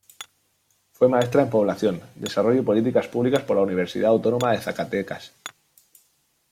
Fue maestra en Población, Desarrollo y Políticas Públicas por la Universidad Autónoma de Zacatecas.